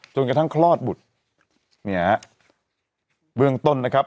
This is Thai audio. จนกระทั่งคลอดบุตรเนี่ยฮะเบื้องต้นนะครับ